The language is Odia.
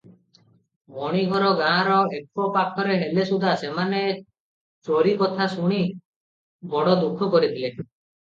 ମଣିଘର ଗାଁର ଏକପାଖରେ ହେଲେ ସୁଦ୍ଧା ସେମାନେ ଚୋରି କଥା ଶୁଣି ବଡ଼ ଦୁଃଖ କରିଥିଲେ ।